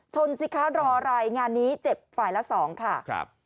ชนสิคะรอรายงานนี้เจ็บฝ่ายละสองค่ะ